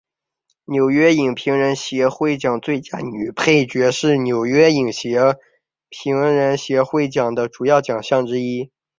纽约影评人协会奖最佳女配角是纽约影评人协会奖的主要奖项之一。